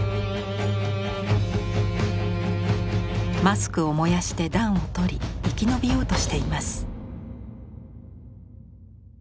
マスクを燃やして暖を取り生き延びようとしています。